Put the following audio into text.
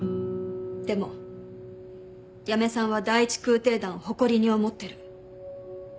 でも八女さんは第１空挺団を誇りに思ってる。